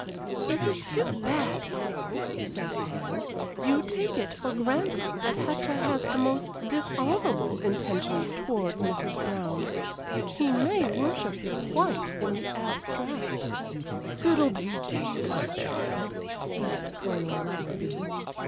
"It is too bad, Crow," said Anne. "You take it for granted that Hector has the most dishonorable intentions towards Mrs. Brown. He may worship her quite in the abstract." "Fiddle dee dee, my child!" said Colonel Lowerby.